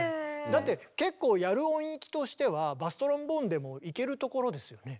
だって結構やる音域としてはバストロンボーンでもいけるところですよね？